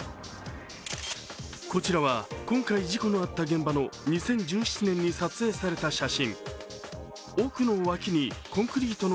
こちらは、今回事故のあった現場の２０１７年に撮影された写真。